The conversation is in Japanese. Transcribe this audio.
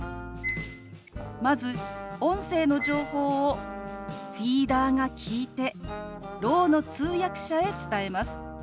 まず音声の情報をフィーダーが聞いてろうの通訳者へ伝えます。